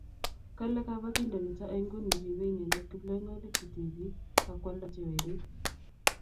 kale kabotindet nito eng' nguni ribei inendet kiplekonik che tibik aku alda che werik